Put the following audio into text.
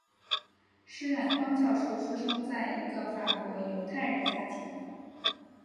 施兰芳教授出生在一个法国犹太人家庭。